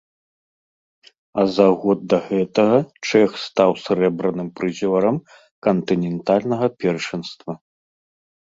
А за год да гэтага чэх стаў срэбраным прызёрам кантынентальнага першынства.